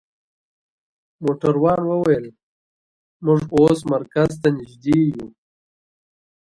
موټروان وویل: موږ اوس مرکز ته نژدې یو.